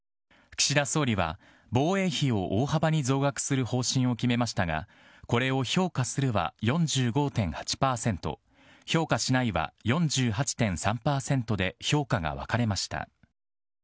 岸田総理は、防衛費を大幅に増額する方針を決めましたが、これを評価するは４５．８％、評価しないは４８．３％で、評価が分かれました。